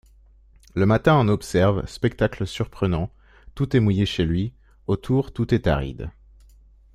Le matin on observe ; spectacle surprenant, tout est mouillé chez lui ; autour tout est aride.